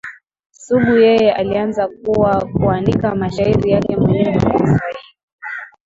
Sugu yeye alianza kwa kuandika mashairi yake mwenyewe ya kiswahili